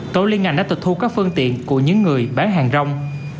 tổ liên ngành đã tịch thu các phương tiện của những người bán hàng rong